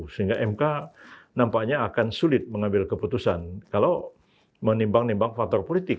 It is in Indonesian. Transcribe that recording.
sehingga mk nampaknya akan sulit mengambil keputusan kalau menimbang nimbang faktor politik